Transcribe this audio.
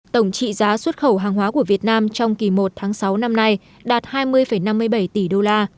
tổng trị giá xuất khẩu hàng hóa của việt nam trong kỳ một tháng sáu năm nay đạt hai mươi năm mươi bảy tỷ đô la